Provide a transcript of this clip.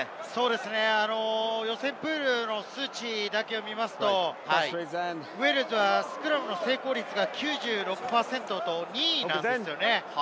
予選プールの数値だけを見ますと、ウェールズはスクラムの成功率が９６％と２位なんですよね。